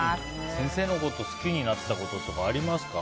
先生のこと好きになったことありますか？